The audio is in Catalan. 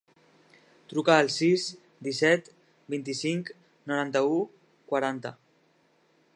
Truca al sis, disset, vint-i-cinc, noranta-u, quaranta.